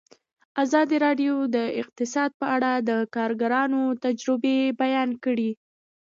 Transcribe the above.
ازادي راډیو د اقتصاد په اړه د کارګرانو تجربې بیان کړي.